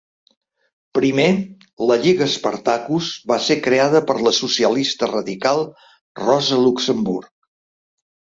Primer, la Lliga Spartacus va ser creada per la socialista radical Rosa Luxemburg.